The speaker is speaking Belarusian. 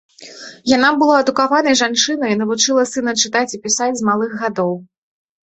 Яна была адукаванай жанчынай і навучыла сына чытаць і пісаць з малых гадоў.